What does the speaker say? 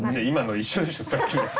今の一緒でしょ